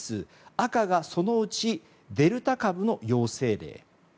赤がそのうちデルタ株の陽性例。